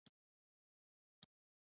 دوی دواړه سیمه ییز قدرتونه دي.